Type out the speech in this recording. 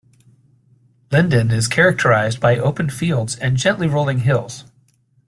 Linden is characterized by open fields and gently rolling hills.